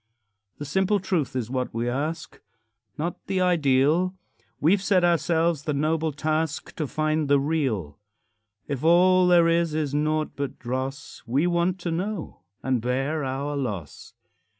The simple truth is what we ask, Not the ideal; We've set ourselves the noble task To find the real. If all there is is naught but dross, We want to know and bear our loss.